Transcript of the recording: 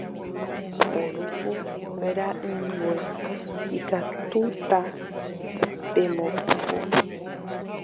Uruku ra'ỹingue ikatúta pembopupu